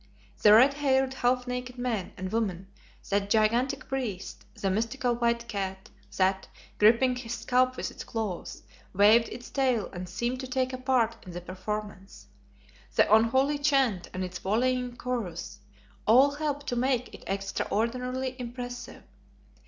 The red haired, half naked men and women, the gigantic priest, the mystical white cat, that, gripping his scalp with its claws, waved its tail and seemed to take a part in the performance; the unholy chant and its volleying chorus, all helped to make it extraordinarily impressive.